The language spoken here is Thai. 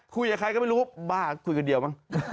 คุยกับใครก็ไม่รู้บ้าคุยกันเดียวมั้ง